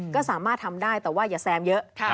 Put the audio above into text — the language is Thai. ก็สามารถทำได้แต่ว่าอย่าแซมเยอะ